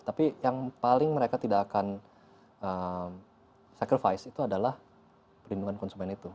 tapi yang paling mereka tidak akan securvice itu adalah perlindungan konsumen itu